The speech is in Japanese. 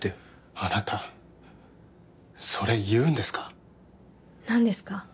あなたそれ言うんですか何ですか？